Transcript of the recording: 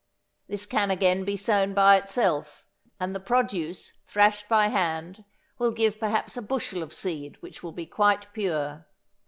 This can again be sown by itself, and the produce, thrashed by hand, will give perhaps a bushel of seed which will be quite pure.